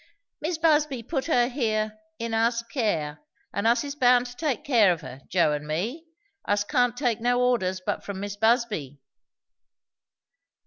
"Mis' Busby put her here in us's care; and us is bound to take care of her, Joe and me. Us can't take no orders but from Mis' Busby."